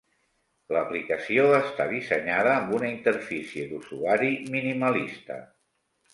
L'aplicació està dissenyada amb una interfície d'usuari minimalista.